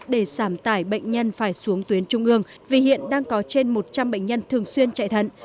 để giảm tải bệnh nhân phải xuống tuyến trung ương vì hiện đang có trên một trăm linh bệnh nhân thường xuyên chạy thận